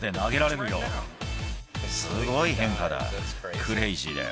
すごい変化だ。